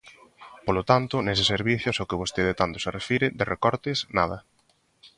Polo tanto, neses servizos aos que vostede tanto se refire, de recortes nada.